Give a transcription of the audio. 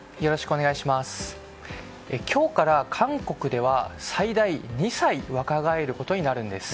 今日から韓国では最大２歳若返ることになるんです。